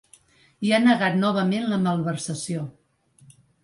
I ha negat novament la malversació.